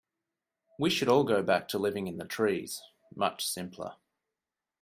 We should all go back to living in the trees, much simpler.